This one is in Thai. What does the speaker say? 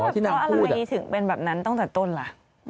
นี่อะไรถึงเปลี่ยนหลังตั้งแต่ต้นล่ะ